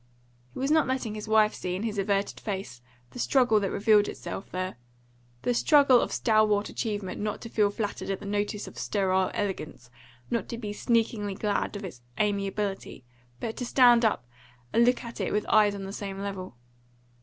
He was not letting his wife see in his averted face the struggle that revealed itself there the struggle of stalwart achievement not to feel flattered at the notice of sterile elegance, not to be sneakingly glad of its amiability, but to stand up and look at it with eyes on the same level.